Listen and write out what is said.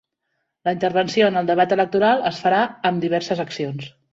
La intervenció en el debat electoral es farà amb diverses accions.